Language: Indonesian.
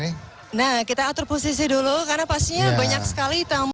nah kita atur posisi dulu karena pastinya banyak sekali tamu